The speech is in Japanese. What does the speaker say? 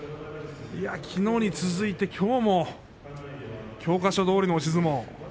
きのうに続いてきょうも教科書どおりの押し相撲。